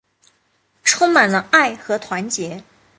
充满了爱和团结